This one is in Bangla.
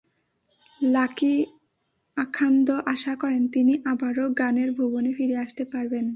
লাকী আখান্দ আশা করেন তিনি আবারও গানের ভুবনে ফিরে আসতে পারবেন।